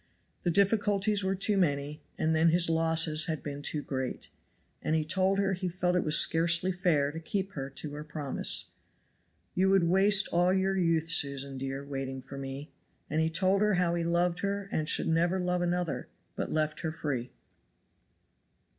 The difficulties were too many, and then his losses had been too great. And he told her he felt it was scarcely fair to keep her to her promise. "You would waste all your youth, Susan, dear, waiting for me." And he told her how he loved her and never should love another; but left her free.